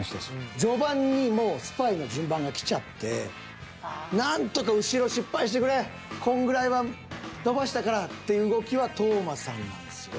序盤にもうスパイの順番が来ちゃって何とか後ろ失敗してくれこんぐらいは飛ばしたからっていう動きは斗真さんなんですよね。